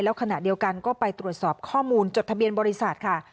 ขณะเดียวกันก็ไปตรวจสอบข้อมูลจดทะเบียนบริษัทค่ะ